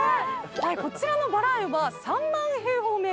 こちらのバラ園は３万平方ｍ。